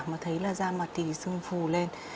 mà thấy là da mặt thì sưng phù lên